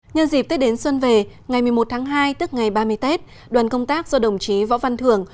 nhân dịp tết đến xuân về ngày một mươi một tháng hai tức ngày ba mươi tết đoàn công tác do đồng chí võ văn thường